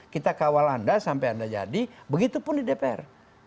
kita kawal anda sampai anda jadi begitupun di dpr